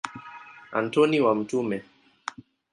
Antoni wa Mt.